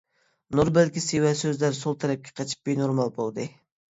نۇر بەلگىسى ۋە سۆزلەر سول تەرەپكە قېچىپ بىنورمال بولدى.